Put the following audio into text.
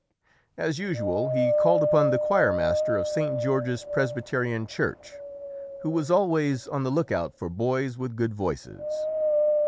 As usual, he called upon the choirmaster of St. George's Pres byterian Church, who was always on the lookout for boys with good voices.